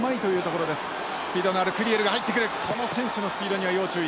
この選手のスピードには要注意です。